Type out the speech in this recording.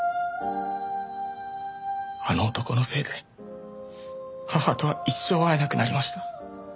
あの男のせいで母とは一生会えなくなりました。